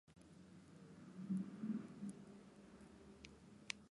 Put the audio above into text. あおかさたなはさかえなかきあなかいたかあ